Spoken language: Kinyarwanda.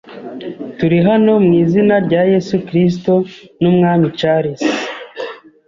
Turi hano mu izina rya Yesu Kristo n'Umwami Charles.